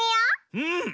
うん！